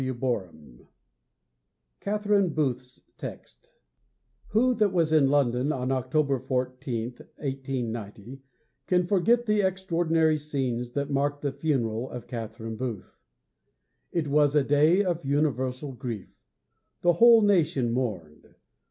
XVIII CATHERINE BOOTH'S TEXT I Who that was in London on October 14, 1890, can forget the extraordinary scenes that marked the funeral of Catherine Booth? It was a day of universal grief. The whole nation mourned.